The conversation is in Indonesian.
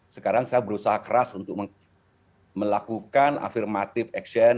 sekarang saya berusaha keras untuk melakukan afirmative action